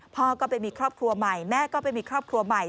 พ่อก็ไปมีครอบครัวใหม่แม่ก็ไปมีครอบครัวใหม่